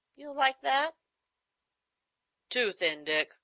You'll like that?" "Too thin, Dick.